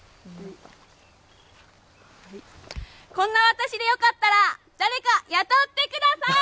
こんな私でよかったら誰か雇ってください！